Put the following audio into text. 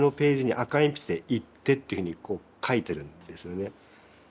赤鉛筆で「行ッテ」っていうふうにこう書いてるんですよね。